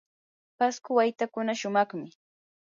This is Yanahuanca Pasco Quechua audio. pasco waytakuna shumaqmi.